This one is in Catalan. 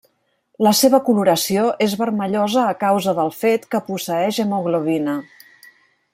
La seva coloració és vermellosa a causa del fet que posseeix hemoglobina.